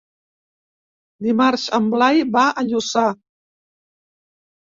Dimarts en Blai va a Lluçà.